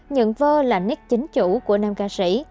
nhận vơ là nét chính chủ của nam ca sĩ